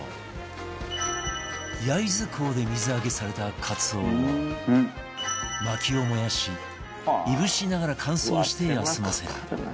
焼津港で水揚げされた鰹を薪を燃やしいぶしながら乾燥して休ませる